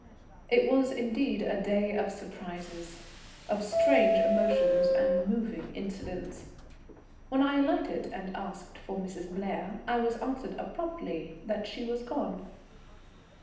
It was indeed a day of surprises, of strange emotions and moving incidents. When I alighted and asked for "Mrs. Blair," I was answered abruptly that she was gone.